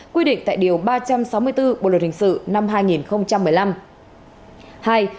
quy định tại điều ba trăm sáu mươi bốn bộ luật hình sự năm hai nghìn một mươi năm